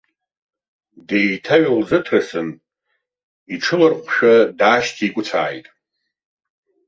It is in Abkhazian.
Деиҭаҩалзыҭрысын, иҽыларҟәшәа даашьҭикәыцәааит.